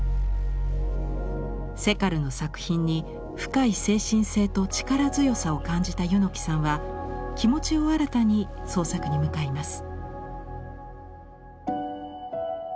セカルの作品に深い精神性と力強さを感じた柚木さんは気持ちを新たに創作に向かいます。